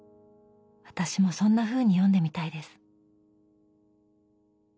私もそんなふうに読んでみたいです。